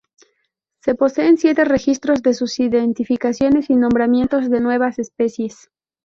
Se poseen siete registros de sus identificaciones y nombramientos de nuevas especies.